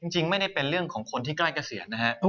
จริงไม่ได้เป็นเรื่องของคนที่ใกล้กระเสียนนะครับ